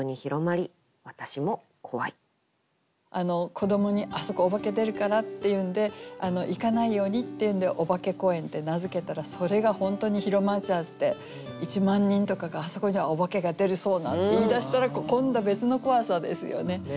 子どもに「あそこおばけ出るから」っていうんで行かないようにっていうんで「おばけ公園」って名付けたらそれが本当に広まっちゃって１万人とかが「あそこにはおばけが出るそうな」って言い出したら今度別の怖さですよね。